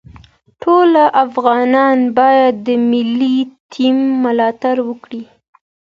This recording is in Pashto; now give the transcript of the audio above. ټول افغانان باید د ملي ټیم ملاتړ وکړي.